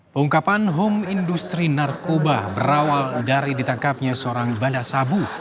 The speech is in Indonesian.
pengungkapan home industry narkoba berawal dari ditangkapnya seorang bandar sabu